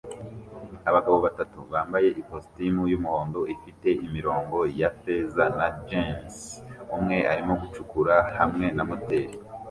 Abagabo batatu bambaye ikositimu y'umuhondo ifite imirongo ya feza na jans; umwe arimo gucukura hamwe na moteri